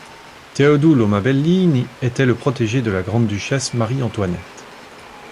Teodulo Mabellini était le protégé de la grande duchesse Marie-Antoinette.